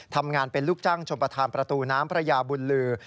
ทำงานเป็นลูกจ้างชมประธานประตูน้ำพระยาบุญลือ